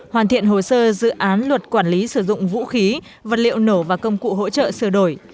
hoàn thiện hồ sơ dự án luật quản lý sử dụng vũ khí vật liệu nổ và công cụ hỗ trợ sửa đổi